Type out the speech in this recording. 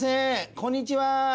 こんにちは！